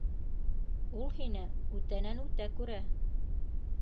Ул һине үтәнән-үтә күрә.